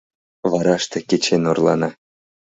Вараште кечен орлана.